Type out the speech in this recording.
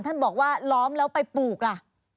ท่านบอกว่าล้อมแล้วไปปลูกล่ะ